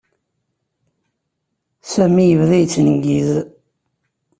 Sami yebda yettneggiz.